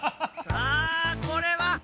さあこれは。